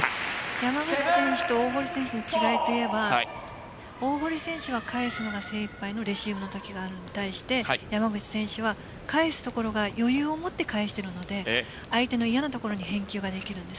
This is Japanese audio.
山口選手と大堀選手の違いといえば大堀選手は返すのが精一杯のレシーブのときがあるのに対して山口選手は返すところが余裕を持って返しているので相手の嫌なところに返球ができるんです。